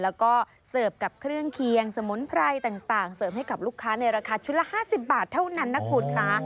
แล้วก็เสิร์ฟกับเครื่องเคียงสมุนไพรต่างเสริมให้กับลูกค้าในราคาชุดละ๕๐บาทเท่านั้นนะคุณค่ะ